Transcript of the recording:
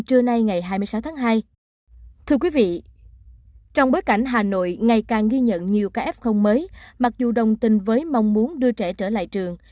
thưa quý vị trong bối cảnh hà nội ngày càng ghi nhận nhiều ca f mới mặc dù đồng tình với mong muốn đưa trẻ trở lại trường